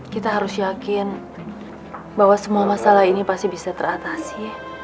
kita harus yakin bahwa semua masalah ini pasti bisa teratasi